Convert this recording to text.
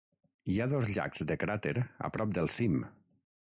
Hi ha dos llacs de cràter a prop del cim.